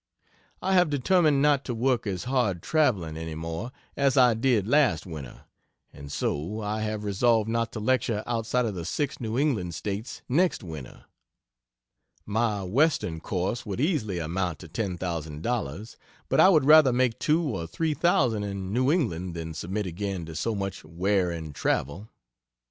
I have determined not to work as hard traveling, any more, as I did last winter, and so I have resolved not to lecture outside of the 6 New England States next winter. My Western course would easily amount to $10,000, but I would rather make 2 or 3 thousand in New England than submit again to so much wearing travel.